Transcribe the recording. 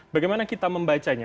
bagaimana kita membacanya